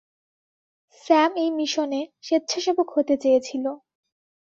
Sam এই মিশনে স্বেচ্ছাসেবক হতে চেয়েছিল।